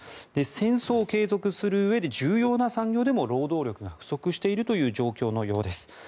戦争を継続するうえで重要な産業でも労働力が不足しているという状況のようです。